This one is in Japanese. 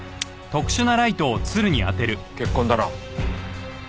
血痕だな。